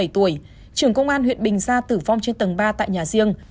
bốn mươi bảy tuổi trưởng công an huyện bình gia tử vong trên tầng ba tại nhà riêng